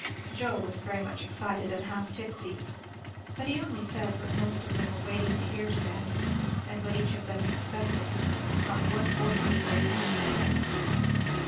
Joe was very much excited and half tipsy; but he only said what most of them were waiting to hear said, and what each of them expected; not one voice was raised in dissent.